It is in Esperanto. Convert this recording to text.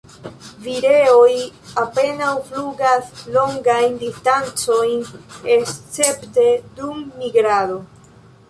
Vireoj apenaŭ flugas longajn distancojn escepte dum migrado.